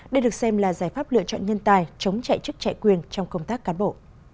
đây được xem là giải pháp lựa chọn nhân tài chống chạy chức chạy quyền trong công tác cán bộ